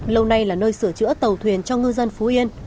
lâu nay là nơi sửa chữa tàu thuyền cho ngư dân phú yên